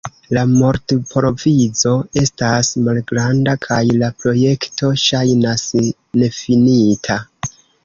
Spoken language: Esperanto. La vortprovizo estas malgranda kaj la projekto ŝajnas nefinita.